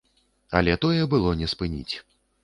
Але тое было не спыніць.